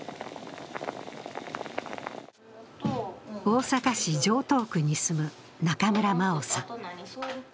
大阪市城東区に住む中村茉緒さん。